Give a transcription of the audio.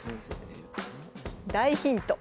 大ヒント